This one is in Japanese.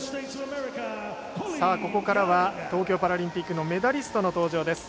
ここからは東京パラリンピックのメダリストの登場です。